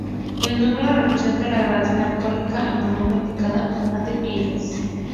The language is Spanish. El número representa la graduación alcohólica en volumen de cada una de ellas.